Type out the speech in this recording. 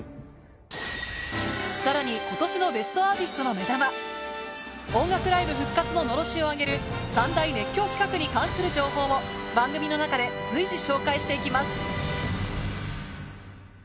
さらに今年の『ベストアーティスト』の目玉音楽ライブ復活の狼煙をあげる３大熱狂企画に関する情報を番組の中で随時紹介して行きます